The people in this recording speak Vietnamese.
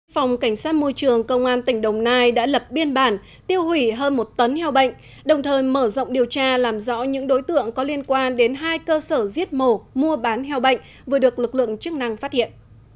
phòng cảnh sát môi trường công an tỉnh đồng nai đã lập biên bản tiêu hủy hơn một tấn heo bệnh đồng thời mở rộng điều tra làm rõ những đối tượng có liên quan đến hai cơ sở giết mổ mua bán heo bệnh vừa được lực lượng chức năng phát hiện